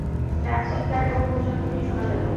ডাক-চিৎকার ও গুঞ্জনধ্বনি শোনা গেল।